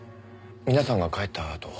皆さんが帰ったあと。